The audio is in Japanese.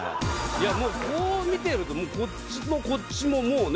いやもうこう見てるとこっちもこっちももうね